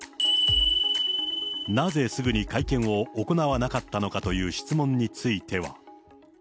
なぜすぐに会見を行わなかったのかという質問については。